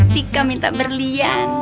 tika minta berlian gak